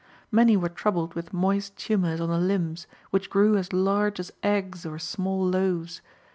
Many were troubled with moist tumors on the limbs, which grew as large as eggs or small loaves.